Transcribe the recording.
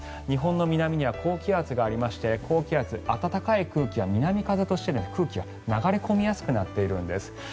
日本の南には高気圧がありまして高気圧、暖かい空気は南風として空気が流れ込みやすくなっているんです